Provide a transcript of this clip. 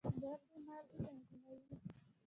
ګردې مالګې تنظیموي.